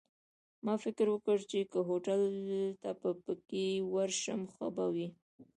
ما فکر وکړ، چي که هوټل ته په بګۍ کي ورشم ښه به وي.